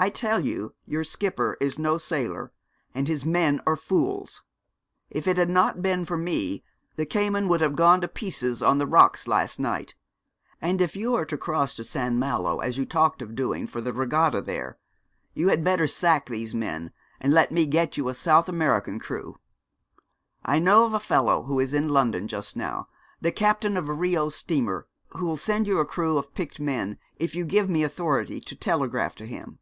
I tell you your skipper is no sailor, and his men are fools. If it had not been for me the Cayman would have gone to pieces on the rocks last night, and if you are to cross to St. Malo, as you talked of doing, for the regatta there, you had better sack these men and let me get you a South American crew. I know of a fellow who is in London just now the captain of a Rio steamer, who'll send you a crew of picked men, if you give me authority to telegraph to him.'